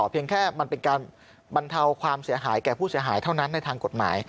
เพียงแค่มันเป็นการบรรเทาความเสียหายแก่ผู้เสียหายเท่านั้นในทางกฎหมาย